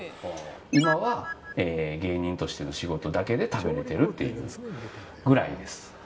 今は、芸人としての仕事だけで食べれてるっていうぐらいです。